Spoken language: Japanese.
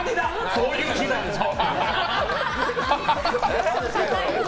そういう日だでしょ。